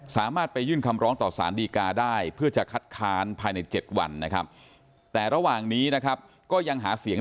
สามารถไปยื่นคำร้องต่อสารดีกาได้เพื่อจะขัดค้านภายใน๗วัน